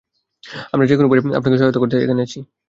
আমরা যেকোন উপায়ে আপনাকে সহায়তা করতে এখানে আছি।